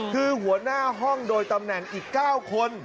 คือหัวหน้าห้องโดยตำแหน่งอีก๙คน